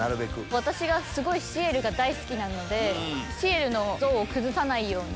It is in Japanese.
私がすごいシエルが大好きなのでシエルの像を崩さないように。